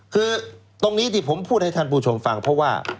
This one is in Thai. คือตรงนี้ที่ผมพูดให้ท่านผู้ชมฟังเพราะว่า